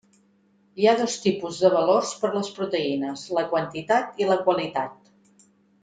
Hi ha dos tipus de valors per a les proteïnes: la quantitat i la qualitat.